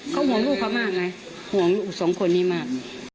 เขาห่วงลูกเขามากไงห่วงลูกสองคนนี้มาก